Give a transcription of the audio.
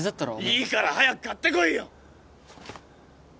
いいから早く買ってこいよ！